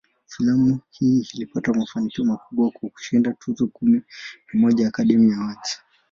Filamu hii ilipata mafanikio makubwa, kwa kushinda tuzo kumi na moja za "Academy Awards".